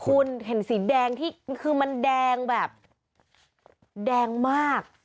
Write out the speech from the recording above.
คุณเห็นสีแดงที่คือมันแดงแบบแดงมาก